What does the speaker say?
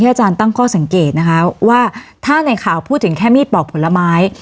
อาจารย์ตั้งข้อสังเกตนะคะว่าถ้าในข่าวพูดถึงแค่มีดปอกผลไม้